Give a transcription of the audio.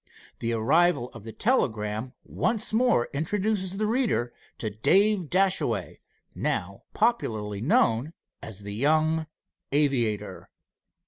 The arrival of the telegram once more introduces the reader to Dave Dashaway, now popularly known as the young aviator.